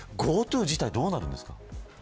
ＧｏＴｏ自体どうなるんですか。